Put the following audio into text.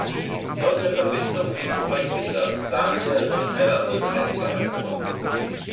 Aus der Verbindung gingen zwei Kinder, Daniel und Melanie Tressler, hervor.